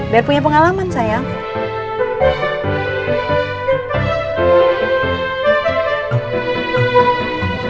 biar punya pengalaman sayang